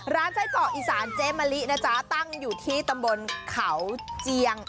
ไส้เจาะอีสานเจ๊มะลินะจ๊ะตั้งอยู่ที่ตำบลเขาเจียง